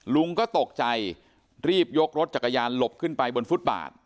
ลุงก็ตกใจรีบยกรถจักรยานหลบขึ้นไปบนฟุตบาท